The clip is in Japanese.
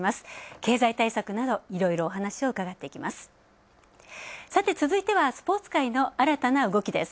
経済対策などいろいろお話を伺ってきます。